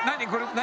何？